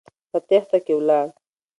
په تېښته کې ولاړ.